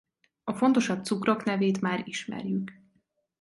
A fontosabb cukrok nevét már ismerjük.